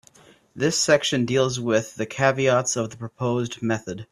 This section deals with the caveats of the proposed method.